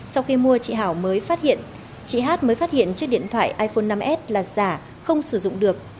sau khi mua chị hát mới phát hiện chiếc điện thoại iphone năm s là giả không sử dụng được